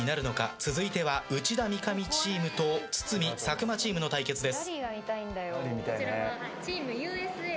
続いては内田、三上チームと堤、佐久間チームの対決です。